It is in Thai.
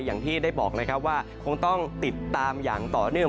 อย่างที่ได้บอกนะครับว่าคงต้องติดตามอย่างต่อเนื่อง